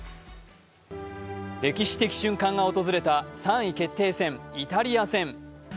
歴史的瞬間が訪れた３位決定戦、イタリア戦。